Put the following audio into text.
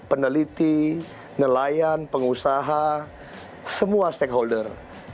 peneliti nelayan pengusaha semua stakeholder